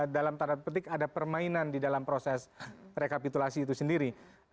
dalam tanda petik ada permainan di dalam proses rekapitulasi itu sendiri